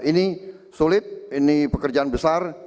ini sulit ini pekerjaan besar